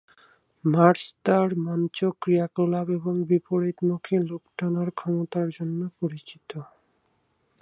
Mars তার মঞ্চ ক্রিয়াকলাপ এবং বিপরীতমুখী লোক-টানার ক্ষমতার জন্য পরিচিত।